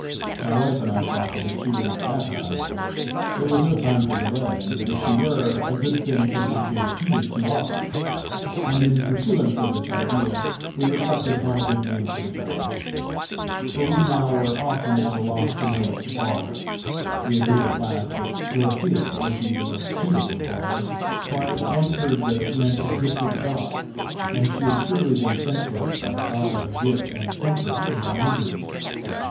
"My wife and I thought that if she were not baptized, there was no time for delay, and that if she were, a good thing could not be repeated too often. And in pursuance of this idea, we reflected upon a good name for the child, for we now were often at a loss to know what to call her. We agreed at last that Dorothea would be the most suitable for her, for I once heard that it meant a gift of God, and she had surely been sent to us by God as a gift and comfort in our misery.